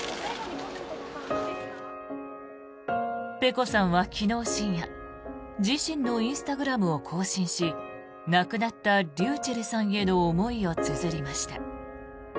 ｐｅｃｏさんは昨日深夜自身のインスタグラムを更新し亡くなったｒｙｕｃｈｅｌｌさんへの思いをつづりました。